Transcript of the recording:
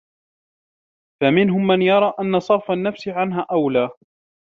فَمِنْهُمْ مَنْ يَرَى أَنَّ صَرْفَ النَّفْسِ عَنْهَا أَوْلَى